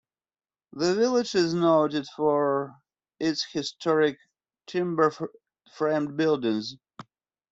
The village is noted for its historic timber-framed buildings.